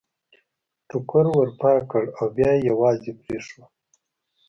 ټوکر ور پاک کړ او بیا یې یوازې پرېښود.